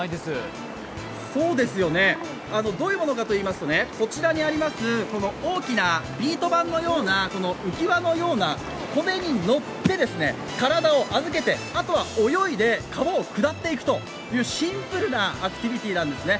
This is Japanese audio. どういうものかといいますと、こちらにあります大きなビート板のような、浮き輪のような、これに乗って体を預けてあとは泳いで川を下っていくというシンプルなアクティビティーなんですね。